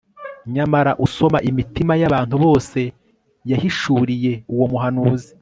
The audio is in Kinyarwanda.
Nyamara usoma imitima yabantu bose yahishuriye uwo muhanuzi